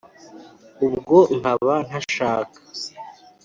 ubwo nkaba ntashaka